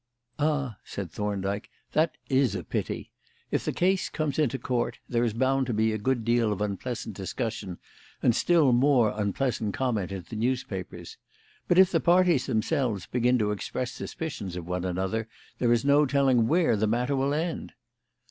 "Ah," said Thorndyke, "that is a pity. If the case comes into Court, there is bound to be a good deal of unpleasant discussion and still more unpleasant comment in the newspapers. But if the parties themselves begin to express suspicions of one another there is no telling where the matter will end."